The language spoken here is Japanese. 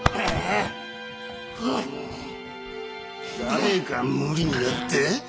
誰が無理にだって？